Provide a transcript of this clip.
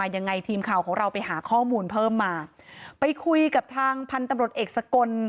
ยังไงทีมข่าวของเราไปหาข้อมูลเพิ่มมาไปคุยกับทางพันธุ์ตำรวจเอกสกล